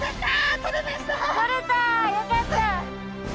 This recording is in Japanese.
取れたよかった！